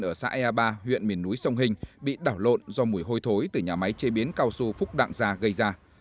ở xã ea ba huyện miền núi sông hình bị đảo lộn do mùi hôi thối từ nhà máy chế biến cao su phúc đặng gia gây ra